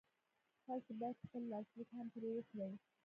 تاسې بايد خپل لاسليک هم پرې وکړئ.